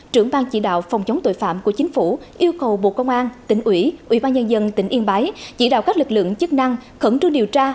trưởng ban chỉ đạo phòng chống tội phạm của chính phủ yêu cầu bộ công an tỉnh ủy ủy ban nhân dân tỉnh yên bái chỉ đạo các lực lượng chức năng khẩn trương điều tra